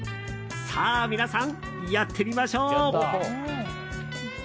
さあ、皆さんやってみましょう！